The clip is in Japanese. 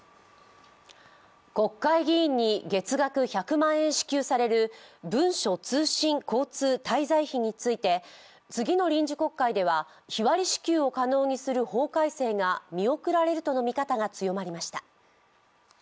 国会議員に月額１００万円支給される文書通信交通滞在費について、次の臨時国会では日割り支給を可能にする法改正が見送られるとの見方が強まりました。